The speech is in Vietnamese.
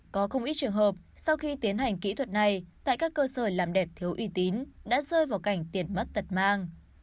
có không ít trường hợp sau khi tiến hành kỹ thuật này tại các cơ sở làm đẹp thiếu uy tín đã rơi vào cảnh tiền mất tật mang